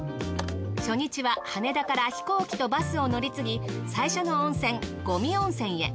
初日は羽田から飛行機とバスを乗り継ぎ最初の温泉五味温泉へ。